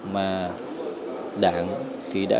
mà đảng thì đã